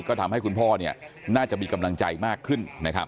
ก็ทำให้คุณพ่อน่าจะมีกำลังใจมากขึ้น